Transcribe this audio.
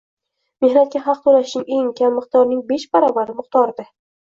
mehnatga haq to‘lashning eng kam miqdorining besh baravari miqdorida